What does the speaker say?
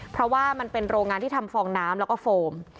เพราะว่ามันเป็นโรงงานที่ทำฟองน้ำแล้วก็โฟม